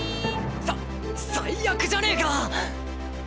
さ最悪じゃねえか！